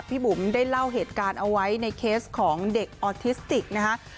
บุ๋มได้เล่าเหตุการณ์เอาไว้ในเคสของเด็กออทิสติกนะคะ